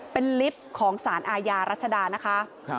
เป็นลิฟต์ของสารอาญารัชดานะคะ